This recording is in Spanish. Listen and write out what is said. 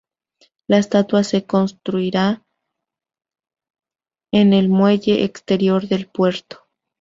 La estatua se construirá en el muelle exterior del puerto.